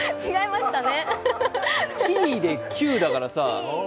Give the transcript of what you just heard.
キーで９だからさ。